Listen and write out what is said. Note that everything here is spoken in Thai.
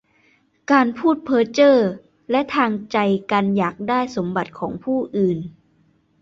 การพูดเพ้อเจ้อ และทางใจ การอยากได้สมบัติของผู้อื่น